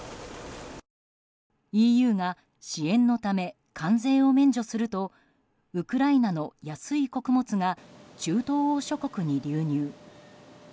ＥＵが支援のため関税を免除するとウクライナの安い穀物が中東欧諸国に流入。